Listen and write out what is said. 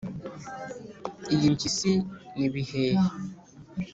iyi mpyisi ni bihehe.